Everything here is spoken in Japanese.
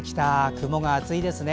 雲が厚いですね。